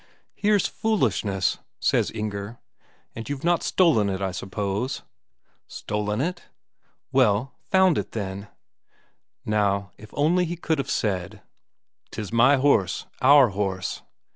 "Here's foolishness," says Inger. "And you've not stolen it, I suppose?" "Stolen it?" "Well, found it, then?" Now if only he could have said: "'Tis my horse our horse...."